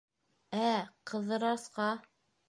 Ә Ҡыҙырасҡа: